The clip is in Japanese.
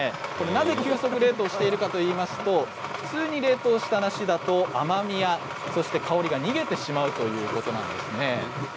なぜ急速冷凍してるかといいますと普通に冷凍した梨だと甘みや香りが逃げてしまうということなんですね。